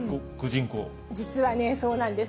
実はね、そうなんです。